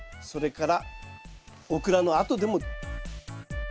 それからオクラのあとでも。